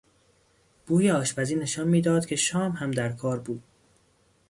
بوی آشپزی نشان میداد که شام هم در کار بود.